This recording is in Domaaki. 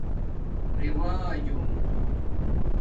رِوجونگ